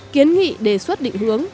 kiến nghị đề xuất định hướng